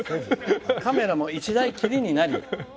カメラも１台きりになり。